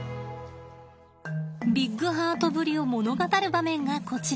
ビッグハートぶりを物語る場面がこちら。